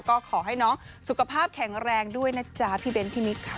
ก็ขอให้น้องสุขภาพแข็งแรงด้วยนะจ๊ะพี่เบ้นพี่มิกค่ะ